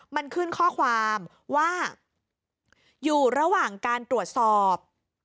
มันขึ้นข้อความว่าอยู่ระหว่างการตรวจสอบ